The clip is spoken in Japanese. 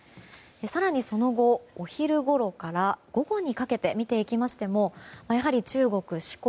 更に、その後お昼ごろから午後にかけて見ていきましてもやはり中国・四国